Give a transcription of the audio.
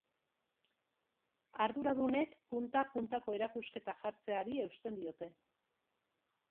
Arduradunek punta puntako erakusketak jartzeari eusten diote.